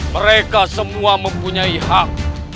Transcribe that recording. mereka semua mempunyai hak